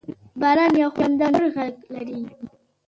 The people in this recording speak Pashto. باران یو خوندور غږ لري.